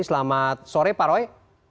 selamat sore pak roy